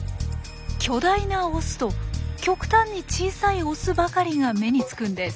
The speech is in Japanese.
巨大なオスと極端に小さいオスばかりが目に付くんです。